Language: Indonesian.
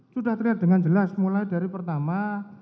sudah terlihat dengan jelas mulai dari pertama